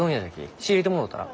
仕入れてもろうたら？